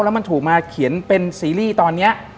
แล้วมันถูกมาเขียนเป็นซีรีส์ตอนนี้